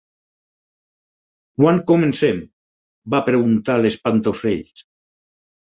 "Quan comencem?" va preguntar l'Espantaocells.